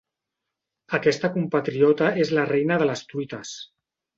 Aquesta compatriota és la reina de les truites.